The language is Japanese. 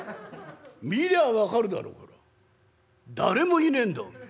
見りゃ分かるだろほら誰もいねえんだおめえ。